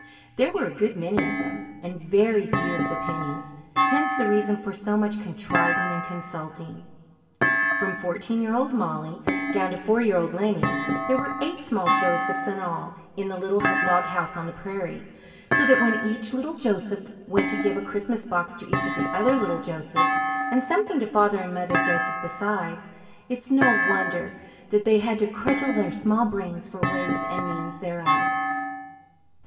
There were a good many of them, and very few of the pennies; hence the reason for so much contriving and consulting. From fourteen year old Mollie down to four year old Lennie there were eight small Josephs in all in the little log house on the prairie; so that when each little Joseph wanted to give a Christmas box to each of the other little Josephs, and something to Father and Mother Joseph besides, it is no wonder that they had to cudgel their small brains for ways and means thereof.